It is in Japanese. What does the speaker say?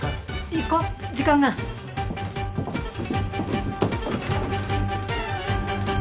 行こう時間ない。